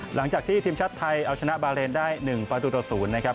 หลังจากที่ทีมชัดไทยเอาชนะบาเลนได้๑ฟาตูตะสูนนะครับ